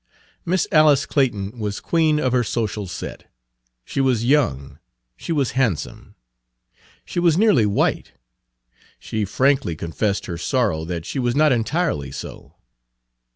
Miss Alice Clayton was queen of her social set. She was young, she was handsome. She was nearly white; she frankly confessed her sorrow that she was not entirely so.